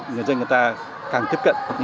người dân người ta càng tiếp cận